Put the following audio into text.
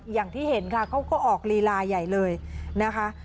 อย่างที่เห็นค่ะเขาก็ออกลีลาใหญ่เลยนะคะ